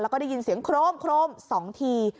แล้วก็ได้ยินเสียงโครม๒ที